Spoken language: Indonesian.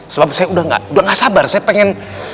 sebab saya udah gak sabar saya pengen